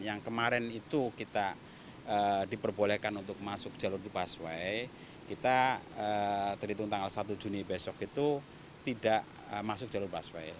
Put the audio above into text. yang kemarin itu kita diperbolehkan untuk masuk jalur di busway kita terhitung tanggal satu juni besok itu tidak masuk jalur busway